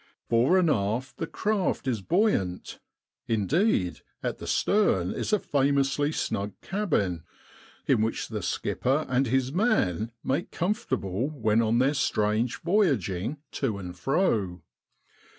Fore and aft the craft is buoyant ; indeed at the stern is a famously snug cabin in which the skipper and his man make comfortable when on their strange voyaging to and fro.